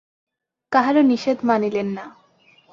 কাহারও নিষেধ মানিলেন না।